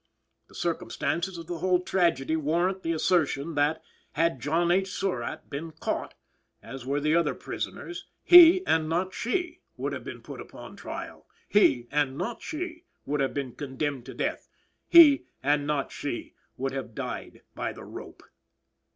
The circumstances of the whole tragedy warrant the assertion that, had John H. Surratt been caught as were the other prisoners, he, and not she, would have been put upon trial; he, and not she, would have been condemned to death; he, and not she, would have died by the rope.